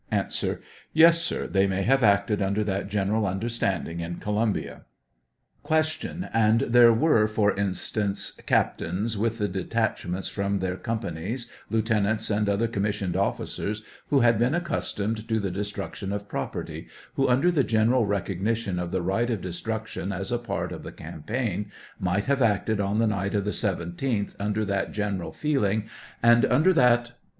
A. Tes, sir ; they may have acted under that general understanding in Columbia. Q. And there were, for instance, captains with the detachments from their companies, lieutenants, and other commissioned officers who had been accustomed to the destruction of property, who, under the general recognition of the right of destruction as a part of the campaign, might have acted on the night of the 17th under that general feeling, and under that A.